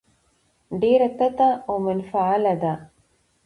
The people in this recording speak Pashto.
ډېره تته او منفعله ده.